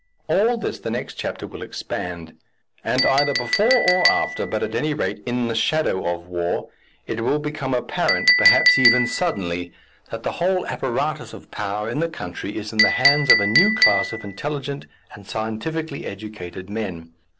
All this the next chapter will expand. And either before or after, but, at any rate, in the shadow of war, it will become apparent, perhaps even suddenly, that the whole apparatus of power in the country is in the hands of a new class of intelligent and scientifically educated men.